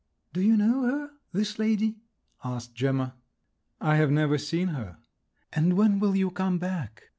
"Do you know her—this lady?" asked Gemma. "I have never seen her." "And when will you come back?"